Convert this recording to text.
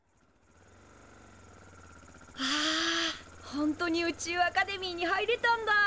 本当に宇宙アカデミーに入れたんだ。